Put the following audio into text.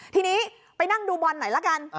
ทีนี้ไปนั่งดูบอลหน่อยละกัน